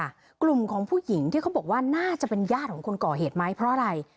กลุ่มของผู้หญิงที่เขาบอกว่าน่าจะเป็นญาติของคนก่อเหตุไหมเพราะอะไร